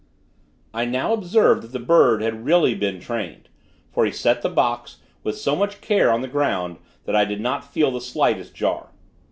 I now observed that the bird had really been trained, for he set the box, with so much care on the ground, that I did not feel the slightest jar.